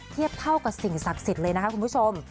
เทียบเท่ากับสิ่งศักดิ์สิทธิ์เลยนะคะคุณผู้ชม